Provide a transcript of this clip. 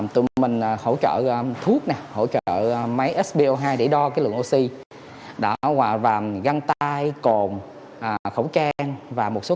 tụi mình hỗ trợ thuốc hỗ trợ máy spo hai để đo cái lượng oxy và găng tai cồn khẩu trang và một số